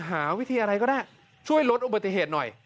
หาวิธีอะไรก็ได้ช่วยลดอุบัติเหตุหน่อย